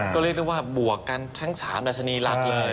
ก็เรียกได้ว่าบวกกันทั้ง๓ดัชนีหลักเลย